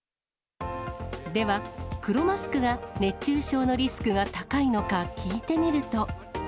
では、黒マスクが熱中症のリスクが高いのか聞いてみると。